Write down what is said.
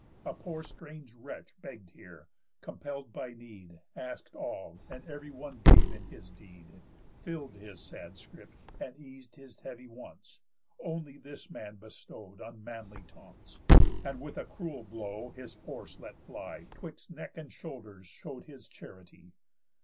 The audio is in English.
A poor strange wretch begg'd here, compell'd by need, Ask'd all, and ev'ry one gave in his deed, Fill'd his sad scrip, and eas'd his heavy wants, Only this man bestow'd unmanly taunts, And with a cruel blow, his force let fly, 'Twixt neck and shoulders show'd his charity."